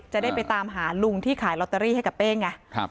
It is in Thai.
จะได้ไปตามหาลุงที่ขายลอตเตอรี่ให้กับเป้งไง